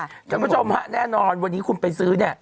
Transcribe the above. คุณผู้ชมฮะแน่นอนวันนี้คุณไปซื้อเนี่ย